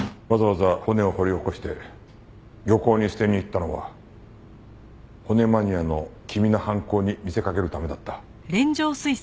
わざわざ骨を掘り起こして漁港に捨てに行ったのは骨マニアの君の犯行に見せかけるためだった。